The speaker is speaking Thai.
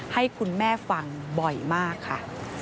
ให้คุณแม่ฟังบ่อยมากค่ะ